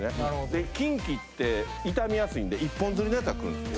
できんきって傷みやすいんで一本釣りのやつが来るんです。